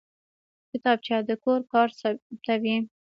کتابچه د کور کار ثبتوي